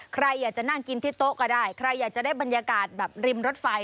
ใครอยากจะนั่งกินที่โต๊ะก็ได้ใครอยากจะได้บรรยากาศแบบริมรถไฟ